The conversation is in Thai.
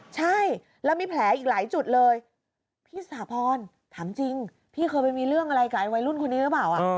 ใช่แล้วมีแผลอีกหลายจุดเลยพี่สาพรถามจริงพี่เคยไปมีเรื่องอะไรกับไอ้วัยรุ่นคนนี้หรือเปล่า